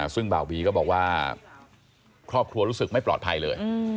ซึ่งเบาบีก็บอกว่าครอบครัวรู้สึกไม่ปลอดภัยเลย